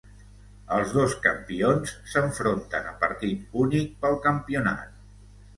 Els dos campions s'enfronten a partit únic pel campionat.